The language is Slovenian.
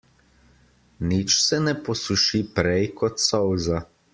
Nič se ne posuši prej kot solza.